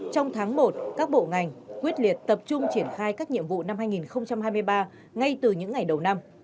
trong tháng một các bộ ngành quyết liệt tập trung triển khai các nhiệm vụ năm hai nghìn hai mươi ba ngay từ những ngày đầu năm